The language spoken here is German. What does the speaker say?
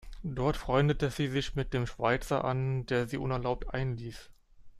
Dort freundete sie sich mit dem Schweizer an, der sie unerlaubt einließ.